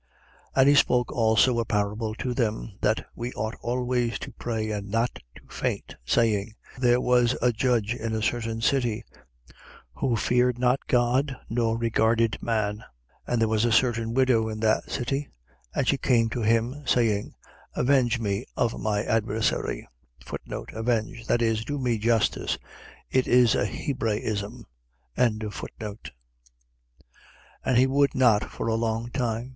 18:1. And he spoke also a parable to them, that we ought always to pray and not to faint, 18:2. Saying: There was a judge in a certain city, who feared not God nor regarded man. 18:3. And there was a certain widow in that city; and she came to him, saying: Avenge me of my adversary. Avenge. . .That is, do me justice. It is a Hebraism. 18:4. And he would not for a long time.